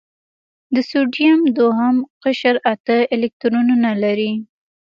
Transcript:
د سوډیم دوهم قشر اته الکترونونه لري.